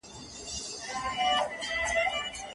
آیا جوماتونه تر نورو ودانیو زیات درناوی لري؟